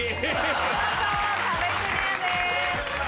見事壁クリアです。